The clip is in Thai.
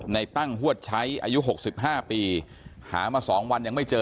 ในตั้งฮวดใช้อายุ๖๕ปีหามา๒วันยังไม่เจอ